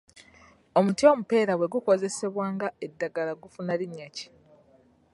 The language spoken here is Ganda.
Omuti omupeera bwe gukozesebwa nga eddagala gufuna linnya ki?